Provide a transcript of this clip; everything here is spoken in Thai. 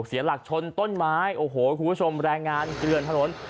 เสียหลักชนต้นไม้โอ้โหคุณผู้ชมแรงงานเกลือนถนน